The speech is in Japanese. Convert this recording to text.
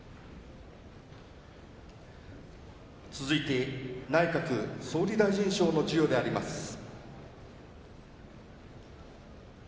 続いて内閣総理大臣杯の授与であります。